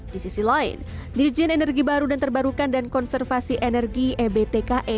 di sisi lain dirjen energi baru dan terbarukan dan konservasi energi ebtke